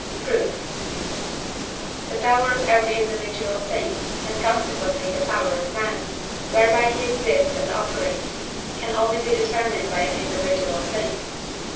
Proof. The power of every individual thing, and consequently the power of man, whereby he exists and operates, can only be determined by an individual thing (I.